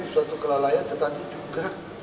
suatu kelalaian tetapi juga